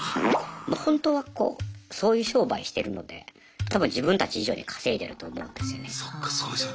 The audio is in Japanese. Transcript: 本当はこうそういう商売してるので多分自分たち以上に稼いでると思うんですよね。